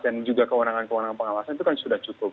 dan juga kewenangan kewenangan pengawasan itu kan sudah cukup